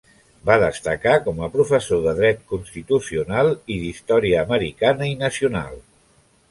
Va destacar com a professor de dret constitucional i d'història americana i nacional.